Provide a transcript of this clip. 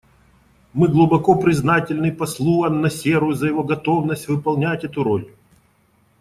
Мы глубоко признательны послу ан-Насеру за его готовность выполнять эту роль.